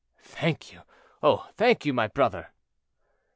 "Thank you, oh! thank you, my brother."